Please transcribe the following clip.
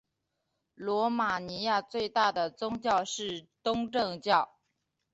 罗马尼亚最大的宗教是东正教。